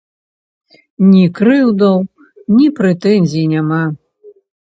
Ні крыўдаў, ні прэтэнзій няма.